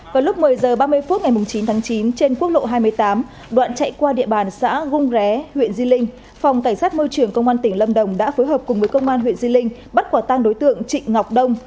vào lúc một mươi h ba mươi phút ngày chín tháng chín trên quốc lộ hai mươi tám đoạn chạy qua địa bàn xã hung ré huyện di linh phòng cảnh sát môi trường công an tỉnh lâm đồng đã phối hợp cùng với công an huyện di linh bắt quả tang đối tượng trịnh ngọc đông